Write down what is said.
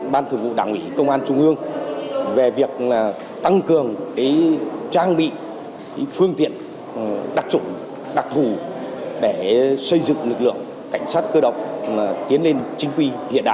ban thư vụ đảng ủy công an trung ương về việc tăng cường trang bị phương tiện đặc chủ đặc thù để xây dựng lực lượng cảnh sát cơ động tiến lên chính quy